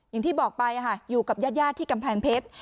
อย่างที่บอกไปอยู่กับญาติที่กำแพงเพชร